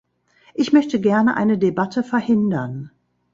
Ich möchte gerne eine Debatte verhindern.